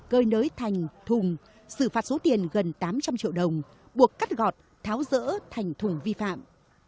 cơi nới thành thùng xử phạt số tiền gần tám trăm linh triệu đồng buộc cắt gọt tháo rỡ thành thùng vi phạm